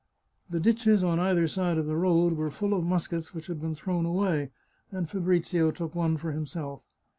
The ditches on either side of the road were full of muskets which had been thrown away, and Fabrizio took one for himself.